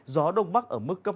gió đông bắc ở mức cấp hai ba